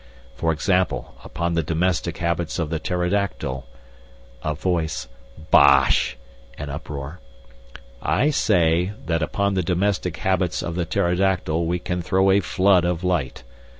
For example, upon the domestic habits of the pterodactyl '(A voice: 'Bosh,' and uproar) 'I say, that upon the domestic habits of the pterodactyl we can throw a flood of light.